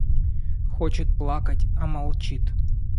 – Хочет плакать, а молчит.